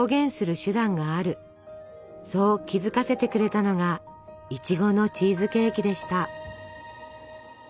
そう気付かせてくれたのがいちごのチーズケーキでした。